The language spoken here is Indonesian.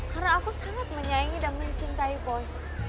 karena aku sangat menyayangi dan mencintai boy